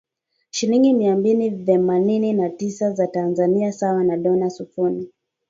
shilingi mia mbili themanini na tisa za Tanzania sawa na dola sufuri